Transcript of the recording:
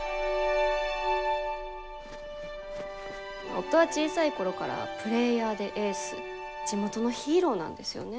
夫は小さいころからプレーヤーでエース地元のヒーローなんですよね。